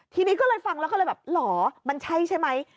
ทีนี้ก็เลยฟังแล้วก็เลยแบบเหรอมันใช่ใช่ไหม